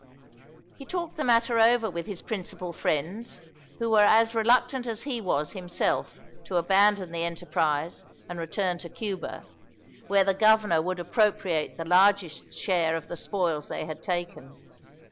He talked the matter over with his principal friends, who were as reluctant as he was, himself, to abandon the enterprise and return to Cuba, where the governor would appropriate the largest share of the spoils they had taken.